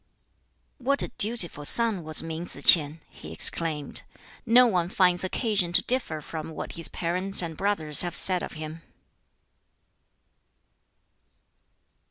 "What a dutiful son was Min Tsz k'ien!" he exclaimed. "No one finds occasion to differ from what his parents and brothers have said of him."